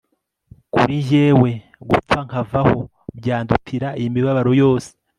kuri jyewe gupfa nkavaho byandutira iyi mibabaro yose